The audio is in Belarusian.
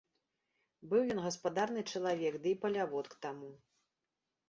Быў ён гаспадарны чалавек ды і палявод к таму.